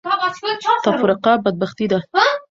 تفرقه بدبختي ده.